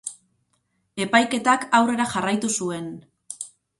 Epaiketak aurrera jarraitu zuen.